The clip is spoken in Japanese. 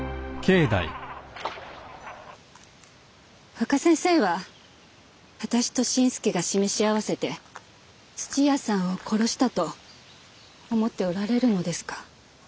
若先生は私と新助が示し合わせて屋さんを殺したと思っておられるのですか？